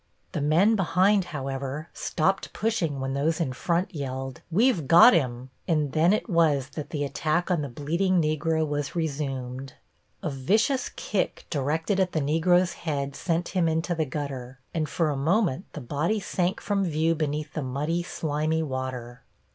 The men behind, however, stopped pushing when those in front yelled, "We've got him," and then it was that the attack on the bleeding Negro was resumed. A vicious kick directed at the Negro's head sent him into the gutter, and for a moment the body sank from view beneath the muddy, slimy water.